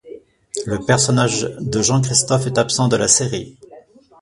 Le personnage de Jean-Christophe est absent de la série.